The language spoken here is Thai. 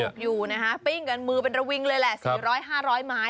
อยู่นะคะปิ้งกันมือเป็นระวิงเลยแหละ๔๐๐๕๐๐ไม้